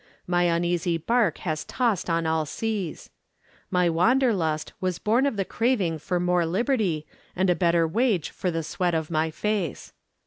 My uneasy bark has tossed on all seas. My wanderlust was born of the craving for more liberty and a better wage for the sweat of my face.